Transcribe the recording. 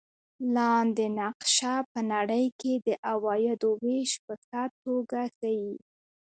لاندې نقشه په نړۍ کې د عوایدو وېش په ښه توګه ښيي.